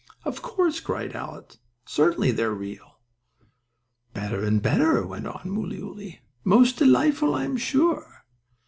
"Of course," cried Alice, "certainly they are real." "Better and better!" went on Mooleyooly. "Most delightful, I am sure!"